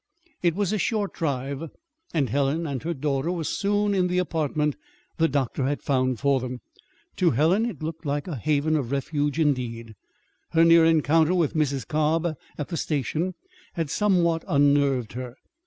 It was a short drive, and Helen and her daughter were soon in the apartment the doctor had found for them. To Helen it looked like a haven of refuge, indeed. Her near encounter with Mrs. Cobb at the station had somewhat unnerved her.